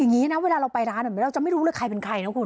อย่างนี้นะเวลาเราไปร้านเราจะไม่รู้เลยใครเป็นใครนะคุณ